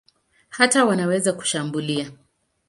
Hata wanaweza kushambulia.